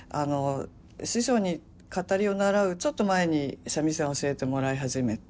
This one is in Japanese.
師匠に語りを習うちょっと前に三味線を教えてもらい始めて。